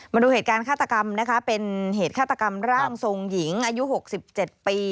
มาดูเหตุการณ์ฆาตกรรมนะคะเป็นเหตุฆาตกรรมร่างทรงหญิงอายุ๖๗ปี